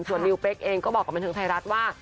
ส่วนนิวเป๊กเองก็บอกกับบันเทิงไทยรัฐว่า